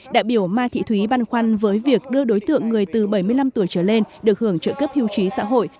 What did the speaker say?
đại biểu ma thị thúy băn khoăn với việc đưa đối tượng người từ bảy mươi năm tuổi trở lên được hưởng trợ cấp hưu trí xã hội